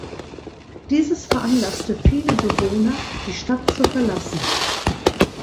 Dieses veranlasste viele Bewohner, die Stadt zu verlassen.